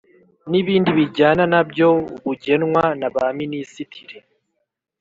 n ibindi bijyana na byo bugenwa naba minisitiri